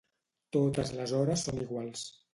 Totes les hores són iguals.